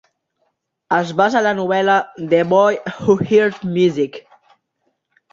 Es basa en la novel·la "The Boy Who Heard Music".